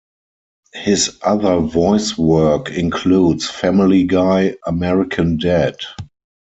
His other voice work includes "Family Guy", "American Dad!